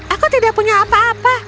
aku tidak punya apa apa